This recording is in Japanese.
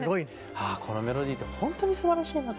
ああこのメロディーって本当にすばらしいなと思う。